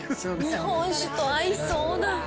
日本酒と合いそうな。